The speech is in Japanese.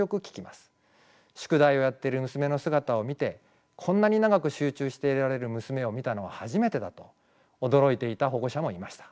宿題をやっている娘の姿を見て「こんなに長く集中していられる娘を見たのは初めてだ」と驚いていた保護者もいました。